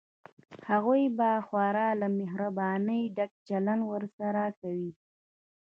هغوی به خورا له مهربانۍ ډک چلند ورسره کوي.